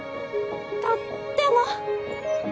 とっても！